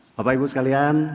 bapak ibu sekalian